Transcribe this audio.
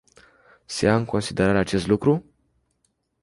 Se ia în considerare acest lucru?